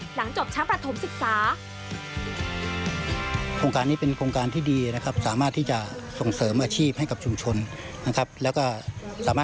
หลังจบชั้นประถมศึกษา